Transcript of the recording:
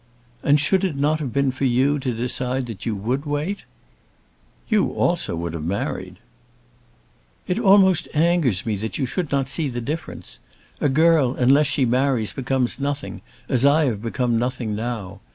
"And should it not have been for you to decide that you would wait?" "You also would have married." "It almost angers me that you should not see the difference. A girl unless she marries becomes nothing, as I have become nothing now.